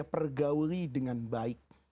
saya pergauli dengan baik